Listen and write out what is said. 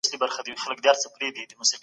کمپيوټر اپس اپډېټ کوي.